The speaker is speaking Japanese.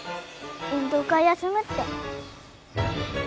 運動会休むって。